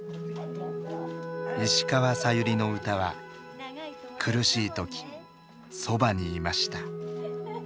石川さゆりの歌は苦しい時そばにいました。